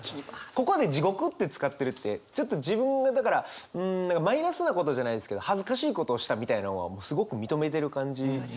ここで「地獄」って使ってるってちょっと自分がだからうんマイナスなことじゃないですけど恥ずかしいことをしたみたいなのはすごく認めてる感じがありますよね。